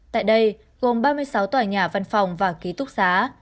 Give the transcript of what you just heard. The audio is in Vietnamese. tại đây gồm ba mươi sáu tòa nhà văn phòng và ký túc xá